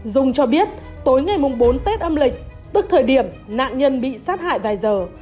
dung cho biết tối ngày bốn tết âm lịch tức thời điểm nạn nhân bị sát hại vài giờ